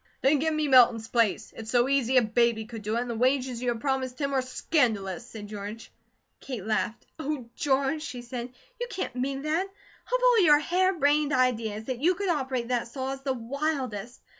"Then give me Milton's place. It's so easy a baby could do it, and the wages you have promised him are scandalous," said George. Kate laughed. "Oh, George," she said, "you can't mean that! Of all your hare brained ideas, that you could operate that saw, is the wildest.